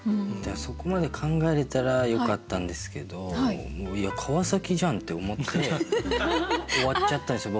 そこまで考えれたらよかったんですけど「いや川崎じゃん！」って思って終わっちゃったんですよ